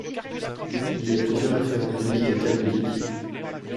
Il y a plusieurs références bibliques et Talmudiques.